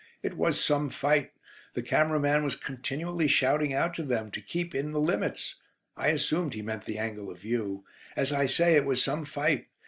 It was some fight. The camera man was continually shouting out to them to keep in 'the limits' (I assumed he meant the angle of view). As I say, it was some fight.